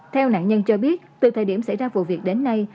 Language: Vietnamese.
theo nạn nhân cho biết từ thời điểm xảy ra vụ việc đến nay